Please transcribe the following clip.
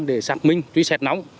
để xác minh truy sẹt nóng